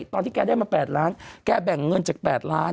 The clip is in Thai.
ตอนที่แกได้มาแปดล้านแกแบ่งเงินจากแปดล้าน